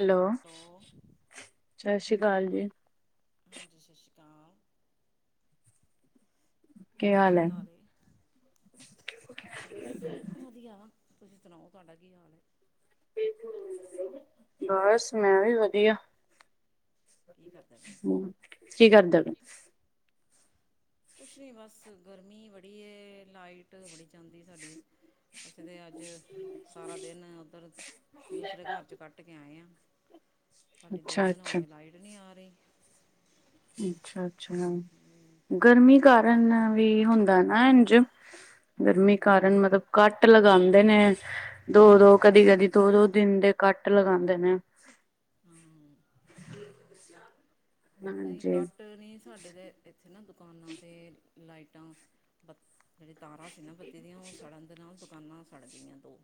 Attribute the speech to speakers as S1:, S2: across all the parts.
S1: Hello ਸਤਿ ਸ਼੍ਰੀ ਅਕਾਲ ਜੀ
S2: ਹਾਂਜੀ ਸਤਿ ਸ਼੍ਰੀ ਅਕਾਲ ਹੋਰ ਕੀ ਹਾਲ ਏ ਬਸ ਵਧੀਆ ਵਾ ਤੁਸੀਂ ਸੁਣਾਓ ਤੁਹਾਡਾ ਕੀ ਹਾਲ ਹੈ
S1: ਬਸ ਮੈਂ ਵੀ ਵਧੀਆ
S2: ਕੀ ਕਰਦੇ ਪਏ ਸੀ?
S1: ਹਮ ਕੀ ਕਰਦੇ
S2: ਕੁਛ ਨੀ ਬਸ ਗਰਮੀ ਬੜੀ ਏ ਲਾਈਟ ਬੜੀ ਜਾਂਦੀ ਸਾਡੀ ਅਸੀਂ ਤੇ ਅੱਜ ਸਾਰਾ ਦਿਨ ਉੱਧਰ ਦੂਸਰੇ ਘਰ ਚ ਕੱਟ ਕੇ ਆਏ ਆ ਸਾਡੀ ਦੋ
S1: ਅੱਛਾ
S2: ਦਿਨ ਹੋ
S1: ਅੱਛਾ।
S2: ਗਏ ਲਾਈਟ ਨੀ ਆ ਰਹੀ
S1: ਅੱਛਾ ਅੱਛਾ ਗਰਮੀ ਕਾਰਨ
S2: ਲਾਈਟ
S1: ਵੀ ਹੁੰਦਾ ਨਾ ਇੰਝ ਗਰਮੀ
S2: ਹੂੰ,
S1: ਕਾਰਨ ਮਤਲਬ ਕੱਟ ਲਗਾਉਂਦੇ ਨੇ ਦੋ ਦੋ ਕਦੀ ਕਦੀ ਦੋ ਦੋ ਦਿਨ ਦੇ ਕੱਟ ਲਗਾਉਂਦੇ ਨੇ
S2: ਹਮ
S1: ਸ
S2: ਨਹੀਂ ਕੱਟ ਨਹੀਂ ਸਾਡੇ ਤਾਂ ਇੱਥੇ ਨਾ ਦੁਕਾਨਾਂ ਤੇ ਲਾਈਟਾਂ ਬ ਜਿਹੜੀ ਤਾਰਾਂ ਸੀ ਨਾ ਬੱਤੀ ਦੀਆਂ ਉਹ ਸੜਨ ਦੇ ਨਾਲ ਦੁਕਾਨਾਂ ਸੜ ਗਈਆਂ ਦੋ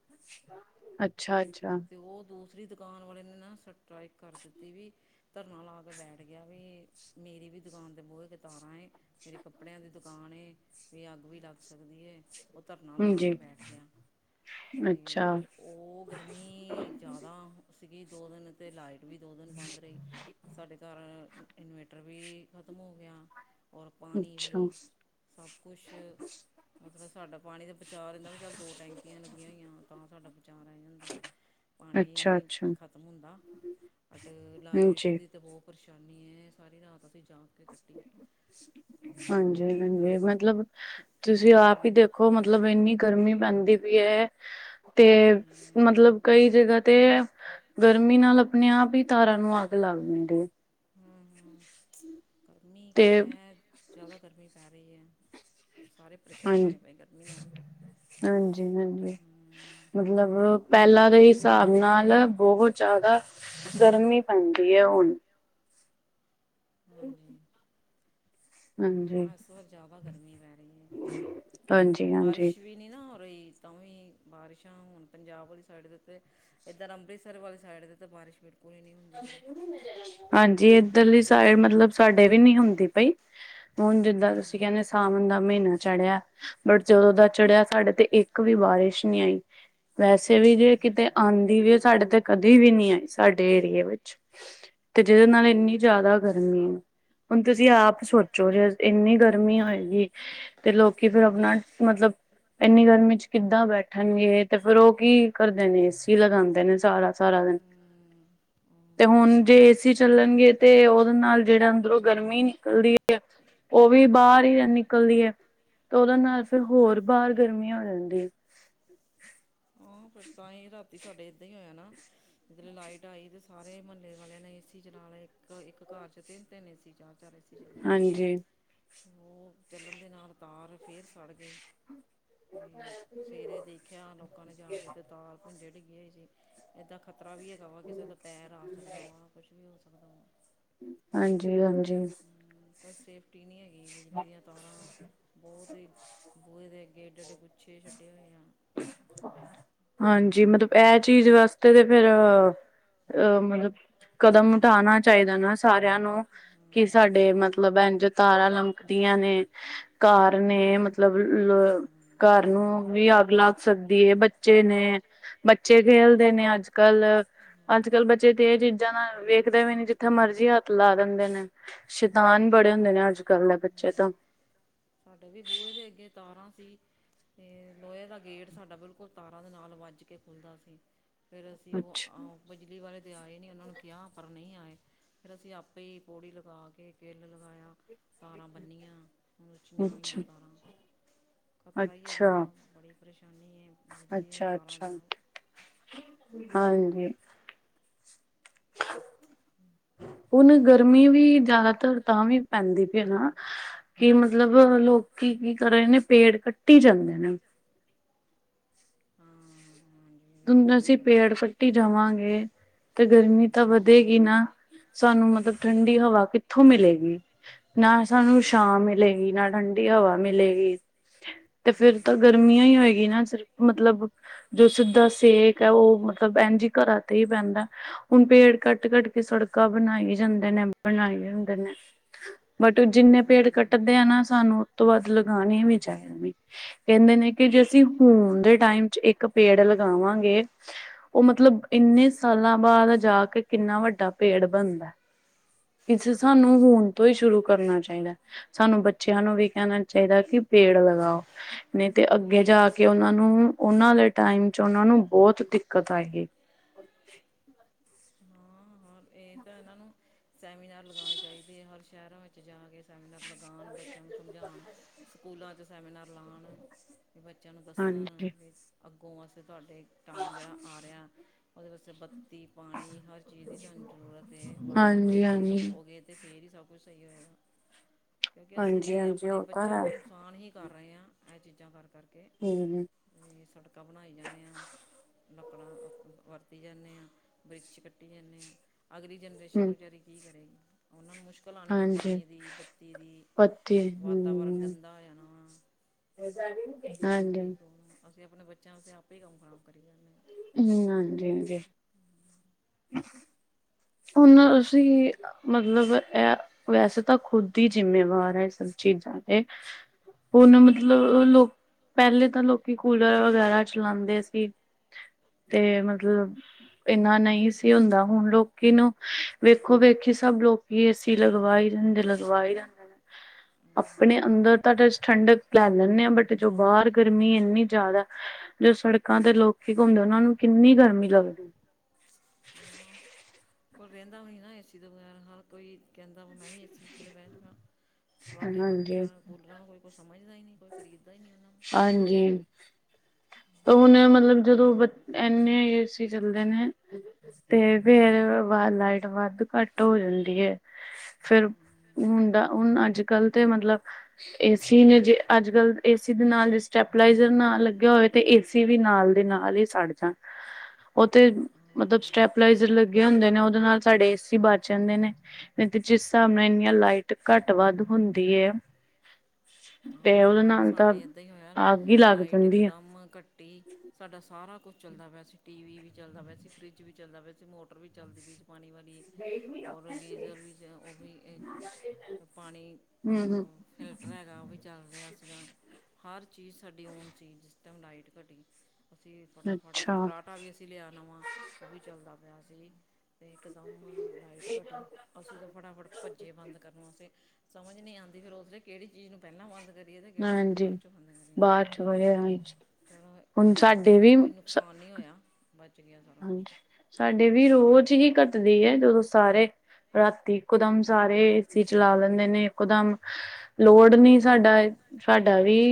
S1: ਅੱਛਾ ਅੱਛਾ
S2: ਤੇ ਉਹ ਦੂਸਰੀ ਦੁਕਾਨ ਵਾਲੇ ਨੇ ਨਾ ਸਟਰਾਈਕ ਕਰ ਦਿੱਤੀ ਵੀ ਧਰਨਾ ਲਾ ਕੇ ਬੈਠ ਗਿਆ ਵੀ ਮੇਰੀ ਵੀ ਦੁਕਾਨ ਤੇ ਬਹੁਤ ਕਤਾਰਾਂ ਏ ਮੇਰੇ ਕੱਪੜਿਆਂ ਦੀ ਦੁਕਾਨ ਏ ਵੀ ਅੱਗ ਵੀ ਲੱਗ ਸਕਦੀ ਏ ਉਹ ਧਰਨਾ ਲਗਾ
S1: ਹਾਂਜੀ
S2: ਕੇ ਬੈਠ ਗਿਆ ਤੇ
S1: ਅੱਛਾ।
S2: ਉਹ ਗ ਗਰਮੀ ਜ਼ਿਆਦਾ ਸੀਗੀ ਦੋ ਦਿਨ ਤੇ ਲਾਈਟ ਲਾਈਟ ਵੀ ਦੋ ਦਿਨ ਬੰਦ ਰਹੀ ਸਾਡੇ ਘਰ ਇਨਵੇਟਰ ਵੀ ਖਤਮ ਹੋ ਗਿਆ। ਔਰ ਪਾਣੀ
S1: ਅੱਛਾ
S2: ਵੀ ਸਭ ਕੁਸ਼ ਮਤਲਬ ਸਾਡਾ ਪਾਣੀ ਦਾ ਬਚਾ ਰਹਿੰਦਾ ਵੀ ਚੱਲ ਦੋ ਟੈਂਕੀਆਂ ਲੱਗੀਆਂ ਹੋਈਆਂ ਤਾਂ ਸਾਡਾ ਬਚਾ ਰਹਿ ਜਾਂਦਾ ਪਾਣੀ
S1: ਅੱਛਾ ਅੱਛਾ
S2: ਨਹੀਂ ਖਤਮ ਹੁੰਦਾ ਬਟ ਲਾਈਟ
S1: ਜੀ
S2: ਦੀ ਤਾਂ ਬਹੁਤ ਪਰੇਸ਼ਾਨੀ ਏ ਸਾਰੀ ਰਾਤ ਅਸੀਂ ਜਾਗ ਕੇ ਕੱਟੀ ਹੈ ਅਤੇ
S1: ਹਾਂਜੀ ਹਾਂਜੀ ਮਤਲਬ ਤੁਸੀਂ ਆਪ ਹੀ ਦੇਖੋ ਮਤਲਬ ਮਤਲਬ ਇੰਨੀ ਗਰਮੀ ਪੈਂਦੀ ਏ ਤੇ ਮਤਲਬ ਕਈ ਜਗ੍ਹਾ ਤੇ ਗਰਮੀ ਨਾਲ ਆਪਣੇ ਆਪ ਹੀ ਤਾਰਾਂ ਨੂੰ ਅੱਗ ਲੱਗ ਜਾਂਦੀ ਆ।
S2: ਹੂੰ ਹੂੰ ਗਰਮੀ
S1: ਤੇ
S2: ਹੈ ਜ਼ਿਆਦਾ ਗਰਮੀ ਪੈ ਰਹੀ ਏ ਸਾਰੇ ਪਰੇਸ਼ਾਨ
S1: ਹਾਂਜੀ
S2: ਹੋਏ ਪਏ ਆ ਗਰਮੀ ਨਾਲ ਵੀ
S1: ਹਾਂਜੀ ਹਾਂਜੀ ਮਤਲਬ ਪਹਿਲਾਂ ਦੇ ਹਿਸਾਬ ਨਾਲ ਬਹੁਤ ਜ਼ਿਆਦਾ ਗਰਮੀ ਪੈਂਦੀ ਏ ਹੁਣ
S2: ਹਾਂਜੀ
S1: ਹਾਂਜੀ
S2: ਹੁਣ ਇਸ ਵਾਰ ਜ਼ਿਆਦਾ ਗਰਮੀ ਪੈ ਰਹੀ ਏ ਕਿਉਕਿ
S1: ਹਾਂਜੀ ਹਾਂਜੀ
S2: ਬਾਰਿਸ਼ ਵੀ ਨਈ ਨਾ ਹੋ ਰਹੀ ਤਾਂ ਵੀ ਬਾਰਿਸ਼ਾਂ ਹੁਣ ਪੰਜਾਬ ਵਾਲੀ ਸਾਈਡ ਦੇ ਉੱਤੇ ਇੱਧਰ ਅੰਮ੍ਰਿਤਸਰ ਵਾਲੇ ਸਾਈਡ ਤੇ ਤਾਂ ਬਾਰਿਸ਼ ਬਿਲਕੁਲ ਹੀ ਨਹੀਂ ਹੁੰਦੀ ਪਈ
S1: ਹਾਂਜੀ ਇੱਧਰ ਲੀ ਸਾਈਡ ਮਤਲਬ ਸਾਡੇ ਵੀ ਨੀ ਹੁੰਦੀ ਪਈ ਹੁਣ ਜਿੱਦਾ ਤੁਸੀਂ
S2: ਹੂੰ
S1: ਕਹਿੰਦੇ ਸਾਵਣ ਦਾ ਮਹੀਨਾ ਚੜਿਆ ਬਟ ਜਦੋਂ ਦਾ ਚੜਿਆ ਸਾਡੇ ਤੇ ਇੱਕ ਵੀ ਬਾਰਿਸ਼ ਨਹੀਂ ਆਈ ਵੈਸੇ ਵੀ ਜੇ ਕਿਤੇ ਆਉਂਦੀ ਵੀ ਸਾਡੇ ਤੇ ਕਦੇ ਵੀ ਨੀ ਆਈ ਸਾਡੇ ਇਹ ਵਿੱਚ ਤੇ ਜਿਹਦੇ ਨਾਲ ਇੰਨੀ ਜ਼ਿਆਦਾ ਗਰਮੀ ਹੁਣ ਤੁਸੀਂ ਆਪ ਸੋਚੋ ਜੇ ਇੰਨੀ ਗਰਮੀ ਹੋਏਗੀ ਤੇ ਲੋਕੀ ਫੇਰ ਆਪਣਾ ਮਤਲਬ ਇੰਨੀ ਗਰਮੀ ਚ ਕਿੱਦਾਂ ਬੈਠਣਗੇ ਤੇ ਫੇਰ ਉਹ ਕੀ ਕਰਦੇ ਨੇ ਏਸੀ ਲਗਾਉਂਦੇ ਨੇ ਜ਼ਿਆਦਾ ਸਾਰਾ ਦਿਨ ਤੇ ਹੁਣ ਜੇ ਏਸੀ ਚੱਲਣਗੇ ਤੇ ਉਹਦੇ ਨਾਲ ਜਿਹੜਾ ਅੰਦਰੋਂ ਗਰਮੀ ਨਿਕਲਦੀ ਅ ਉਹ ਵੀ ਬਾਹਰ ਹੀ ਨਿਕਲਦੀ ਹੈ ਤੇ ਉਹਦੇ ਨਾਲ ਫਿਰ ਹੋਰ ਬਾਹਰ ਗਰਮੀ ਹੋ ਜਾਂਦੀ ਹੈ।
S2: ਹਾਂ ਫਿਰ ਤਾਂਹੀ ਰਾਤੀ ਸਾਡੇ ਏਦਾਂ ਹੀ ਹੋਇਆ ਨਾ ਕਿੱਧਰੇ ਲਾਈਟ ਆਈ ਤੇ ਸਾਰੇ ਮਹੱਲੇ ਵਾਲੇ ਨੇ ਏਸੀ ਚਲਾ ਲਏ ਦੇ ਨਾਲ ਇੱਕ ਇੱਕ ਘਰ ਚ ਤਿੰਨ ਤਿੰਨ ਏਸੀ ਚਾਰ ਚਾਰ ਏਸੀ ਚਲਦੇ ਆ
S1: ਹਾਂਜੀ,
S2: ਉਹ ਚੱਲਣ ਦੇ ਨਾਲ ਤਾਰ ਫੇਰ ਸੜ ਗਈ ਤੇ ਸਵੇਰੇ ਦੇਖਿਆ ਲੋਕਾਂ ਨੇ ਜਾ ਕੇ ਤੇ ਤਾਰ ਭੁੰਜੇ ਡਿੱਗੀ ਹੋਈ ਸੀ। ਇੱਦਾਂ ਖ਼ਤਰਾ ਵੀ ਹੈਗਾ ਵਾ ਕਿਸੇ ਦਾ ਪੈਰ ਆ ਸਕਦਾ ਵਾ ਕੁਛ ਵੀ ਹੋ ਸਕਦਾ ਵਾ
S1: ਹਾਂਜੀ ਹਾਂਜੀ
S2: ਕੋਈ ਸੇਫਟੀ ਨਹੀਂ ਹੈ ਗੀ ਬਿਜਲੀ ਦੀਆਂ ਤਾਰਾਂ ਬਹੁਤ ਹੀ ਬੂਹੇ ਦੇ ਅੱਗੇ ਐਡੇ ਐਡੇ ਗੁੱਛੇ ਛੱਡੇ ਹੋਏ ਆ
S1: [inaudible] ਹਾਂਜੀ ਮਤਲਬ ਇਹ ਚੀਜ਼ ਵਾਸਤੇ ਤੇ ਫੇਰ ਅਹ ਮਤਲਬ ਕਦਮ ਢਾਣਾ ਚਾਹੀਦਾ ਨਾ ਸਾਰਿਆਂ ਨੂੰ ਕਿ
S2: ਨੂੰ।
S1: ਸਾਡੇ ਮਤਲਬ ਇੰਜ ਤਾਰਾਂ ਲਮਕਦੀਆਂ ਨੇ ਘਰ ਨੇ ਮਤਲਬ
S2: ਹੂੰ ਹੂੰ
S1: ਘਰ ਨੂੰ ਵੀ ਅੱਗ ਲੱਗ ਸਕਦੀ ਹੈ ਬੱਚੇ ਨੇ ਬੱਚੇ ਖੇਲਦੇ ਨੇ ਅੱਜ ਕੱਲ ਅੱਜ ਕੱਲ ਬੱ ਬੱਚੇ ਤੇ ਏ ਚੀਜ਼ਾਂ ਨਾਲ ਵੇਖਦੇ ਵੀ ਨੀ ਜਿੱਥੇ ਮਰਜ਼ੀ ਹੱਥ ਲਾ ਦਿੰਦੇ ਨੇ। ਸ਼ੈਤਾਨ ਬੜੇ ਹੁੰਦੇ ਨੇ ਅੱਜ ਕੱਲ ਦੇ ਬੱਚੇ ਤਾਂ।
S2: ਸਾਡੇ ਵੀ ਬੂਹੇ ਦੇ ਅੱਗੇ ਤਾਰਾਂ ਸੀ। ਤੇ ਲੋਏ ਦਾ ਗੇਟ ਸਾਡਾ ਬਿਲਕੁਲ ਤਾਰਾਂ ਦੇ ਨਾਲ ਵੱਜ ਕੇ ਖੁੱਲਦਾ ਸੀ। ਫੇਰ ਅਸੀਂ ਉਹ
S1: ਅੱਛਾ
S2: ਬਿਜਲੀ ਵਾਲੇ ਤੇ ਆਏ ਨੀ ਉਨਾਂ ਨੂੰ ਕਿਆ ਪਰ ਨੀ ਆਏ। ਫੇਰ ਅਸੀਂ ਆਪੇ ਹੀ ਪੌੜੀ ਲਗਾ ਕੇ ਕੇਲ ਲਗਾਇਆ। ਤਾਰਾ ਬੰਨੀਆਂ ਮੁਚੀਆਂ ਹੋਈਆਂ
S1: ਅੱਛਾ
S2: ਤਾਰਾ। ਖ਼ਤਰਾ ਈ ਹਗਾ
S1: ਅੱਛਾ
S2: ਵਾ ਬੜੀ ਪਰੇਸ਼ਾਨੀ ਏ ਬਿਜਲੀ ਦੀਆਂ
S1: ਅੱਛਾ
S2: ਤਾਰਾਂ ਦੇ
S1: ਅੱਛਾ
S2: ਨਾਲ।
S1: ਹਾਂਜੀ। [inaudible] ਹੁਣ ਗਰਮੀ ਵੀ ਜਾਦਾਤਰ ਤਾਂ ਵੀ ਪੈਂਦੀ ਪਈ ਐ ਨਾ। ਕੀ ਮਤਲਬ ਲੋਕੀ ਕੀ ਕਰ ਰਹੇ ਨੇ ਪੇੜ ਕੱਟੀ ਜਾਂਦੇ ਨੇ।
S2: ਹਾਂ। ਇਹ ਵੀ ਗੱਲ
S1: ਤੁਣ
S2: ਸਹੀ ਹੈ
S1: ਅਸੀਂ
S2: ਤੁਹਾਡੀ
S1: ਪੇੜ ਕੱਟੀ ਜਾਵਾਂਗੇ ਤੇ
S2: ਹੂੰ।
S1: ਗਰਮੀ ਤਾ ਵ ਧੇਗੀ ਨਾ ਸਾਨੂੰ ਮਤਲਬ ਠੰਡੀ ਹਵਾ ਕਿੱਥੋਂ ਮਿਲੇਗੀ। ਨਾ
S2: ਹਮ।
S1: ਸਾਨੂੰ ਛਾਂ ਮਿਲੇਗੀ ਨਾ ਠੰਡੀ ਹਵਾ ਮਿਲੇਗੀ। ਤੇ ਫਿਰ ਤਾਂ ਗਰਮੀਆਂ ਹੀ ਹੋਏਗੀ ਨਾ ਸਿਰ ਮਤਲਬ ਜੋ ਸਿੱਧਾ ਸੇਕ ਐ ਉਹ ਮਤਲਬ ਏੰਜ ਹੀ ਕਰਾਂ ਤੇ ਈ ਪੈਂਦਾ। ਹੁਣ ਪੇੜ ਕੱਟ-ਕੱਟ ਕੇ ਸੜਕਾਂ ਬਣਾਈ ਜਾਂਦੇ ਨੇ, ਬਣਾਈ ਜਾਂਦੇ ਨੇ। ਬਟ ਜਿੰਨੇ ਪੇੜ ਕੱਟਦੇ ਆ ਨਾ ਸਾਨੂੰ ਉਤੋਂ ਵੱਧ ਲਗਾਣੇ ਵੀ ਚਾਈਦੇ ਨੇ। ਕੇੰਦੇ ਨੇ ਕਿ ਜੇ ਅਸੀਂ ਹੁਣ ਦੇ ਟਾਈਮ ਚ ਇੱਕ ਪੇੜ ਲਗਾਵਾਂਗੇ ਉਹ ਮਤਲਬ ਇੰਨੇ ਸਾਲਾਂ ਬਾਦ ਜਾ ਕੇ ਕਿੰਨਾ ਵੱਡਾ ਪੇੜ ਬਨਦਾ। ਇੱਥੇ ਸਾਨੂੰ
S2: ਹਾਂ
S1: ਹੁਣ ਤੋਂ ਹੀ ਸ਼ੁਰੂ ਕਰਨਾ ਚਾਈਦਾ। ਸਾਨੂੰ ਬੱਚਿਆਂ ਨੂੰ ਵੀ ਕੇਨਾ ਚਾਈਦਾ ਕਿ ਪੇੜ ਲਗਾਓ। ਨੀ ਤੇ ਅੱਗੇ ਜਾ ਕੇ ਓਨਾਂ ਨੂੰ ਓਨਾਂ ਦੇ ਟਾਈਮ ਚ ਉਹਨਾਂ ਨੂੰ ਬੋਤ ਦਿੱਕਤ ਆਏਗੀ।
S2: ਏ ਤਾਂ ਇਹਨਾਂ ਨੂੰ ਸੈਮੀਨਾਰ ਲਗਾਉਣੇ ਚਾਈਦੇ ਐ ਹਰ ਸ਼ਹਿਰਾਂ ਵਿੱਚ ਜਾ ਕੇ। ਸੈਮੀਨਾਰ ਲਗਾਨ ਬੱਚਿਆਂ ਨੂੰ ਸਮਝਾਉਣ ਸਕੂਲਾਂ ਚ ਸੈਮੀਨਾਰ ਲਾਣ। ਵੀ ਬੱਚਿਆਂ ਨੂੰ ਦੱਸਣ
S1: ਹਾਂਜੀ,
S2: ਵੀ ਅੱਗੋਂ ਅਸੀਂ ਤੁਹਾਡੇ ਟਾਈਮ ਜੇੜਾ ਆ ਰਿਆ ਓਦੇ ਵਾਸਤੇ ਬੱਤੀ, ਪਾਨੀ ਹਰ ਚੀਜ਼ ਦੀ ਤੁਹਾਨੂੰ ਜ਼ਰੂਰਤ ਏ ਵਾਤਾਵਰਨ
S1: ਹਾਂਜੀ,
S2: ਸਹੀ
S1: ਹਾਂਜੀ।
S2: ਰੱਖੋਗੇ ਤੇ ਫੇਰ ਹੀ ਸਭ ਕੁਛ ਸਹੀ ਹੋਏਗਾ, ਕਿਉਂਕਿ ਅਸੀਂ
S1: ਹਾਂਜੀ,
S2: ਤੇ
S1: ਹਾਂਜੀ
S2: ਅਪਣੇ
S1: ਉਹ ਤਾਂ
S2: ਬੱਚਿਆਂ
S1: ਹੈ
S2: ਦਾ ਨੁਕਸਾਨ ਹੀ ਕਰ ਰਏ ਆ ਐ ਚੀਜ਼ਾਂ ਕਰ-ਕਰ ਕੇ।
S1: ਹੂੰ।
S2: ਵੀ ਸੜਕਾਂ ਬਣਾਈ ਜਾਨੇ ਆ। ਲੱਕੜਾਂ ਵਰਤੀ ਜਾਨੇ ਆ ਬ੍ਰਿਛ ਕੱਟੀ ਜਾਨੇ ਆ। ਅਗਲੀ ਜਨਰੇਸ਼ਨ
S1: ਹੂੰ,
S2: ਵਿਚਾਰੀ ਕੀ ਕਰੇਗੀ ਉਨਾਂ ਨੂੰ ਮੁਸ਼ ਕਲ ਆਨੀ ਏ
S1: ਹਾਂਜੀ।
S2: ਪਾਨੀ ਦੀ, ਬੱਤੀ ਦੀ
S1: ਪੱਤੇ
S2: ਵਾਤਾਵਰਨ
S1: ਹਮ
S2: ਗੰਦਾ ਹੋ ਜਾਨਾ ਵਾ।
S1: ਹਾਂਜੀ
S2: ਬੜੀ
S1: ਹਂ
S2: ਅਸੀਂ ਅਪਣੇ ਬੱਚਿਆਂ ਵਾਸੇ ਆਪੇ ਹੀ ਕੰਮ ਖਰਾਬ ਕਰੀ ਜਾਨੇ ਆ।
S1: ਹੂੰ ਹਾਂਜੀ ਜੀ। ਹੁਣ ਅਸੀਂ ਮਤਲਬ ਐ ਵੈਸੇ ਤਾਂ ਖੁਦ ਈ ਜਿੰਮੇਵਾਰ ਆ ਐ ਸਭ ਚੀਜ਼ਾਂ ਦੇ। ਹੂਨ ਮਤਲਬ ਲੋਕ ਪੈਲੇ ਤਾਂ ਲੋਕੀ ਕੂਲਰ ਵਗੈਰਾ ਚਲਾਂਦੇ ਸੀ। ਤੇ
S2: ਹਾਂਜੀ ਹਾਂਜੀ
S1: ਮਤਲਬ, ਇਨਾ ਨਹੀਂ ਸੀ ਹੁੰਦਾ ਹੁਣ ਲੋਕ ਕੀਨੂੰ, ਵੇਖੋ-ਵੇਖੀ ਸਭ ਲੋਕੀ ਏਸੀ ਲਗਵਾਈ ਜਾਂਦੇ ਲਗਵਾਈ ਜਾਂਦੇ।
S2: [inaudible]
S1: ਆਪਣੇ ਅੰਦਰ ਤਾਂ ਠੰਡਕ ਲੈ ਲੈਂਦੇ ਹਾਂ, ਬਟ ਜੋ ਬਾਹਰ ਗਰਮੀ ਇੰਨੀ ਜ਼ਿਆਦਾ। ਜੋ ਸੜਕਾਂ ਤੇ ਲੋਕੀ ਘੁੰਮਦੇ, ਉਹਨਾਂ ਨੂੰ ਕਿੰਨੀ ਗਰਮੀ ਲੱਗਦੀ।
S2: ਕੋਈ ਬਹਿੰਦਾ ਵੀ ਨਹੀ ਨਾ ਏਸੀ ਤੋਂ ਬਗੈਰ। ਹਰ ਕੋਈ ਕਹਿੰਦਾ ਹੋਊ ਮੈਂ ਵੀ ਏਸੀ ਥੱਲੇ ਬੈਠ ਜਾਂਵਾ। ਫੱਰਾਠੇ
S1: ਹਾਂਜੀ
S2: ਪੱਖਿਯਾ ਕੂਲਰਾਂ ਨੂੰ ਕੋਈ ਕੁਝ ਸਮਝਦਾ ਹੀ ਨਹੀ, ਕੋਈ ਖਰੀਦਦਾ ਹੀ ਨਹੀ। ਉਹਨਾਂ
S1: ਹਾਂਜੀ। ਉਹ ਨਾ ਮਤਲਬ ਜਦੋਂ ਐਨੇ ਏ ਸੀ ਚੱਲਦੇ ਨੇ। ਤੇ ਫੇਰ ਏਦੇ ਬਾਦ ਲਾਈਟ ਵੱਧ ਘੱਟ ਹੋ ਜਾਂਦੀ ਹੈ। ਫਿਰ
S2: ਨੂੰ
S1: ਹੁਣਦਾ ਹੁਣ ਅੱਜ ਕੱਲ੍ਹ ਤੇ ਮਤਲਬ ਏਸੀ ਨੇ, ਜੇ ਅੱਜ ਕੱਲ ਏਸੀ ਦੇ ਨਾਲ ਜੇ ਸਟੈਪਲਾਈਜ਼ਰ ਨਾਲ ਲੱਗਿਆ ਹੋਵੇ। ਤੇ ਏਸੀ ਵੀ ਨਾਲ ਦੇ ਨਾਲ ਹੀ ਸੜ ਜਾਣ। ਉਹ ਤੇ ਮਤਲਬ
S2: ਹਾਂ
S1: ਸਟੈਪਲਾਈਜ਼ਰ ਲੱਗੇ ਹੁੰਦੇ ਨੇ, ਉਹਦੇ ਨਾਲ ਸਾਡੇ ਏਸੀ ਬਚ ਜਾਂਦੇ ਨੇ। ਨਹੀ ਤੇ, ਜਿਸ ਹਿਸਾਬ ਨਾਲ ਇੰਨੀਆਂ ਲਾਈਟ ਘੱਟ ਵੱਧ ਹੁੰਦੀ ਹੈ। ਤੇ
S2: ਹਾਂ
S1: ਉਹਦੇ
S2: ਕੱਲ
S1: ਨਾਲ ਤਾਂ
S2: ਸਾਡੇ ਏਦਾਂ ਹੀ ਹੋਇਆ।
S1: ਅੱਗ ਹੀ ਲੱਗ
S2: ਲਾਈਟ
S1: ਜਾਂਦੀ ਆ।
S2: ਇਕਦਮ ਘੱਟੀ ਸਾਡਾ ਸਾਰਾ ਕੁਝ ਚੱਲਦਾ ਪਿਆ ਸੀ, ਟੀ ਵੀ ਚੱਲਦਾ ਪਿਆ ਸੀ, ਫਰਿੱਜ ਵੀ ਚੱਲਦਾ ਪਿਆ ਸੀ, ਮੋਟਰ ਵੀ ਚੱਲਦੀ ਪਈ ਸੀ ਪਾਣੀ ਵਾਲੀ ਔਰ ਗੀਜ਼ਰ ਵਿੱਚ ਉਹ ਵੀ ਪਾਣੀ।
S1: ਹੂੰ ਹੂੰ।
S2: ਉਹ ਫਿਲਟਰ ਹੈਗਾ ਉਹ ਵੀ। ਚੱਲ ਰਿਹਾ ਸੀਗਾ। ਹਰ ਚੀਜ਼ ਸਾਡੀ ਔਨ ਸੀ ਜਿਸ ਟਾਈਮ ਲਾਈਟ ਘਟੀ। ਅਸੀ ਫਟਾਫਟ, ਇੱਕ
S1: ਅੱਛਾ
S2: ਫਰਾਟਾ ਵੀ ਅਸੀ ਲਿਆ ਨਵਾਂ ਉਹ ਵੀ ਚੱਲਦਾ ਪਿਆ ਸੀ। ਤੇ ਇਕਦਮ ਲਾਈਟ ਘਟੀ। ਅਸੀਂ ਤਾਂ ਫਟਾਫਟ ਭੱਜੇ ਬੰਦ ਕਰਨ ਵਾਸਤੇ। ਸਮਝ ਨਹੀਂ ਆਦੀਂ ਫਿਰ ਉਸਲੇ ਕਿਹੜੀ ਚੀਜ਼ ਨੂੰ ਪਹਿਲਾਂ ਬੰਦ ਕਰੀ ਕਿਹੜੀ ਚੀਜ਼ ਨੂੰ
S1: ਹਾਂਜੀ
S2: ਬਾਅਦ ਚੋਂ ਬੰਦ ਕਰੀਏ,
S1: ਬਾਅਦ ਚ ਵਧਿਆ
S2: ਚਲੋ
S1: ਹੁਣ
S2: ਇੰਨਾ ਸ਼ੁਕਰ
S1: ਸਾਡੇ
S2: ਵੀ ਫਰਿਜ਼ ਨੂੰ ਕੋਈ ਨੁਕਸਾਨ ਨਹੀਂ ਹੋਇਆ। ਬੱਚ ਗਿਆ। ਸਾਰਾ ਕੁਛ
S1: ਹਾਂਜੀ,
S2: ਹੂੰ
S1: ਸਾਡੇ ਵੀ ਰੋਜ਼ ਹੀ ਘਟ ਦੀ ਹੈ, ਤੇ ਉਦੋਂ ਸਾਰੇ ਰਾਤੀ ਇਕਦਮ ਸਾਰੇ ਏਸੀ ਚਲਾ ਲੈਂਦੇ ਨੇ, ਇੱਕਦਮ ਲੋਡ ਨੀ ਸਾਡਾ, ਸਾਡਾ ਵੀ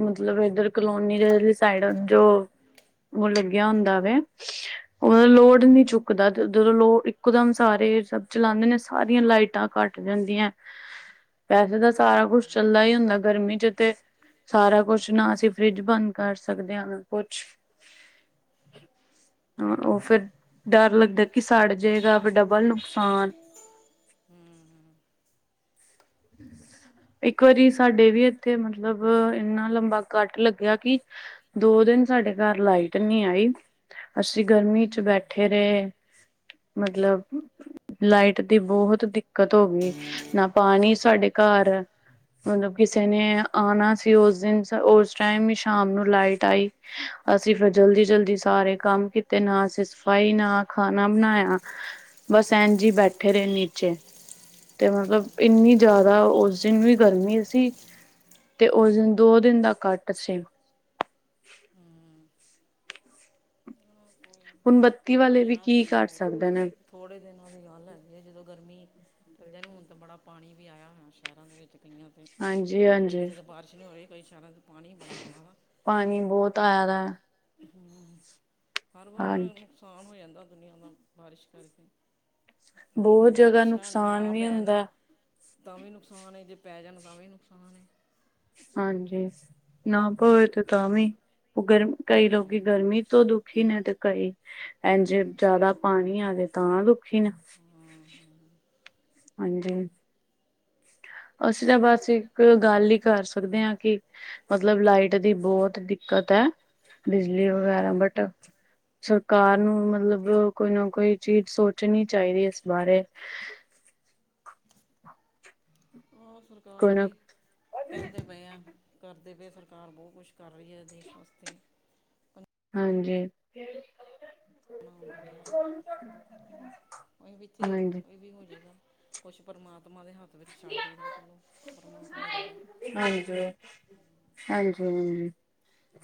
S1: ਮਤਲਬ ਇਧਰ ਕਲੋਨੀ ਦੇ ਸਾਈਡ, ਜੋ ਲੱਗਿਆ ਹੁੰਦਾ ਵੇ।
S2: [inaudible]
S1: ਉਹ ਲੋਡ ਨੀ ਚੁੱਕਦਾ। ਜਦੋਂ ਲੋਗ ਇੱਕਦਮ ਸਾਰੇ ਸਭ ਚਲਾਉਂਦੇ ਨੇ, ਸਾਰੀਆਂ ਲਾਈਟਾਂ ਘੱਟ ਜਾਂਦੀਆਂ। ਵੈਸੇ ਤਾਂ ਸਾਰਾ ਕੁਛ ਚੱਲਦਾ ਹੀ ਹੁੰਦਾ ਗਰਮੀ ਚ, ਤੇ ਸਾਰਾ ਕੁਛ। ਨਾ ਅਸੀਂ ਫ੍ਰਿੱਜ ਬੰਦ ਕਰ ਸਕਦੇ ਹਾਂ ਨਾ ਕੁਛ। ਹਾਂ, ਉਹ ਫਿਰ ਡਰ ਲੱਗਦਾ ਕਿ ਸੜ ਜੇਗਾ ਡਬਲ ਨੁਕਸਾਨ।
S2: ਹੂੰ [inaudible]
S1: ਇੱਕ ਵਾਰੀ ਸਾਡੇ ਵੀ ਇੱਥੇ, ਮਤਲਬ ਇੰਨਾ ਲੰਬਾ ਕੱਟ ਲੱਗਿਆ ਕਿ ਦੋ ਦਿਨ ਸਾਡੇ ਘਰ ਲਾਈਟ ਨਹੀ ਆਈ। ਅਸੀ ਗਰਮੀ ਚ ਬੈਠੇ ਰਹੇ ਮਤਲਬ, ਲਾਈਟ ਦੀ ਬਹੁਤ ਦਿੱਕਤ ਹੋ ਗਈ। ਨਾ ਪਾਣੀ ਸਾਡੇ ਘਰ ਮਤਲਬ, ਕਿਸੇ
S2: ਹੂੰ
S1: ਨੇ ਆਉਣਾ ਸੀ ਉਸ ਦਿਨ। ਉਸ ਟਾਈਮ ਹੀ ਸ਼ਾਮ ਲਾਈਟ ਆਈ। ਅਸੀ ਫਿਰ ਜਲਦੀ-ਜਲਦੀ ਸਾਰੇ ਕੰਮ ਕੀਤੇ ਨਾ ਅਸੀ ਸਫ਼ਾਈ, ਨਾ ਖਾਣਾ ਬਣਾਇਆ। ਬਸ ਇੰਝ ਹੀ ਬੈਠੇ ਰਹੇ ਨੀਚੇ, ਤੇ ਮਤਲਬ ਇੰਨੀ ਜ਼ਿਆਦਾ ਉਸ ਦਿਨ ਵੀ ਗਰਮੀ ਸੀ ਤੇ ਉਸ ਦਿਨ ਦੋ ਦਿਨ ਦਾ ਕੱਟ ਸੀ।
S2: ਹੂੰ ਹਾਂ ਕੋਈ
S1: ਹੁਣ ਬੱਤੀ ਵਾਲੇ ਵੀ ਕੀ ਕਰ ਸਕਦੇ ਨੇ।
S2: ਥੋੜੇ ਦਿਨਾਂ ਦੀ ਗੱਲ ਲੈਂਦੀ ਹੈ ਜਦੋਂ ਗਰਮੀ। ਕ ਨੂੰ ਹੁਣ ਤਾਂ ਬੜਾ ਪਾਣੀ ਵੀ ਆਇਆ ਹੋਇਆ ਸ਼ਹਿਰਾਂ ਦੇ ਵਿੱਚ ਕਈਆਂ ਤੇ।
S1: ਹਾਂਜੀ ਹਾਂਜੀ
S2: ਇੱਥੇ ਤਾਂ ਬਾਰਿਸ਼ ਨਹੀਂ ਹੋ ਰਈ ਕਈ ਸ਼ਹਿਰਾਂ ਚ ਪਾਣੀ ਬੜਾ ਆਇਆ ਵਾ
S1: ਪਾਣੀ ਬਹੁਤ ਆਇਆ ਦਾ
S2: ਹਮ ਹਰ ਵਾਰ
S1: ਹਾਂਜੀ
S2: ਨੁਕਸਾਨ ਹੋ ਜਾਂਦਾ ਦੁਨੀਆਂ ਦਾ ਬਾਰਿਸ਼ ਕਰਕੇ ਜੇ
S1: ਬਹੁਤ ਜਗ੍ਹਾ
S2: ਬਾਰਿਸ਼ਾਂ
S1: ਨੁਕਸਾਨ
S2: ਨਾਂ
S1: ਵੀ
S2: ਪੈਣ
S1: ਹੁੰਦਾ
S2: ਤਾਂ ਵੀ ਨੁਕਸਾਨ ਏ ਜੇ ਪੈ ਜਾਣ ਤਾਂ ਵੀ ਨੁਕਸਾਨ ਏ
S1: ਹਾਂਜੀ ਨਾ ਪਵੇ ਤੇ ਤਾਂ ਵੀ ਉਹ ਗਰਮ ਕਈ ਲੋਕ
S2: ਹਾਂਜੀ ਹਾਂ
S1: ਗਰਮੀ ਤੋਂ ਦੁਖੀ ਨੇ ਤੇ ਕਈ ਇੰਜ ਜ਼ਿਆਦਾ ਪਾਣੀ ਆਜੇ ਤਾਂ ਦੁਖੀ ਨੇ ਹਾਂਜੀ ਅਸੀਂ ਤਾਂ ਬਸ ਇੱਕ ਗੱਲ ਹੀ ਕਰ ਸਕਦੇ ਹਾਂ ਕਿ ਮਤਲਬ ਲਾਈਟ ਦੀ ਬਹੁਤ ਦਿੱਕਤ ਏ ਬਿਜਲੀ ਵਗੈਰਾ ਬਟ ਸਰਕਾਰ ਨੂੰ ਮਤਲਬ ਕੋਈ ਨਾ ਕੋਈ ਚੀਜ਼ ਸੋਚਣੀ ਚਾਹੀਦੀ ਇਸ ਬਾਰੇ
S2: ਹਾਂ ਸਰਕਾਰ
S1: ਕੋਈ ਨਾ
S2: ਵੀ ਕਹਿੰਦੇ ਪਏ ਆ ਕਰਦੇ ਪਏ ਸਰਕਾਰ ਬਹੁਤ ਕੁਛ ਕਰ ਰਹੀ ਹੈ ਦੇਸ਼ ਵਾਸਤੇ
S1: ਹਾਂਜੀ
S2: ਗੰਦ ਪਯੇ ਉਹ ਵਿੱਚੇ
S1: ਹਾਂਜੀ
S2: ਇਹ ਵੀ ਹੋ ਜੇਗਾ ਕੁਛ ਪਰਮਾਤਮਾ ਦੇ ਹੱਥ ਵਿੱਚ ਛੱਡ ਦੇਈ ਦਾ ਚਲੋ ਪਰਮਾਤਮਾ ਦੀ ਰਜਾ
S1: ਹਾਂਜੀ ਹਾਂਜੀ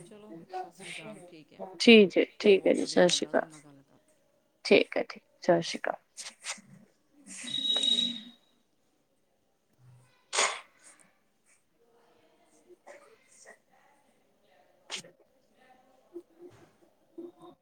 S2: ਚਲੋ ਸਤਿ ਸ੍ਰੀ ਅਕਾਲ ਠੀਕ ਹੈ
S1: ਠੀਕ ਜੇ ਠੀਕ ਏ
S2: ਬਹੁਤ
S1: ਜੀ
S2: ਵਧੀਆ
S1: ਸਤਿ ਸ੍ਰੀ
S2: ਲੱਗਾ
S1: ਅਕਾਲ
S2: ਤੁਹਾਡੇ ਨਾਲ ਗੱਲ ਕਰ
S1: ਠੀਕ ਹੈ ਠੀਕ ਸਤਿ ਸ਼੍ਰੀ ਅਕਾਲ
S2: ਹ [unintelligible]